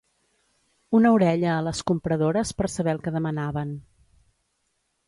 Una orella a les compradores per saber el que demanaven